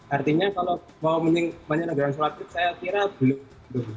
artinya kalau mau banyak negara sholat id saya kira belum